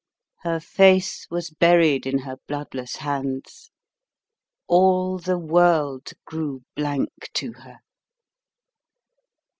Her face was buried in her bloodless hands. All the world grew blank to her.